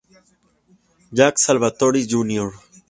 Jack Salvatore, Jr.